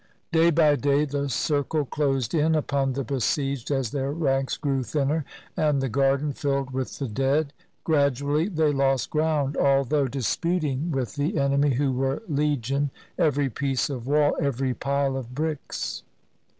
Day by day the circle closed in upon the besieged as their ranks grew thinner and the garden filled with the dead; gradually they lost ground, although disputing 252 WHEN THE ALLIES ENTERED PEKIN with the enemy, who were legion, every piece of wall, every pile of bricks.